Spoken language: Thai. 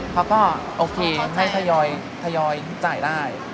ผ้าหอกกว่า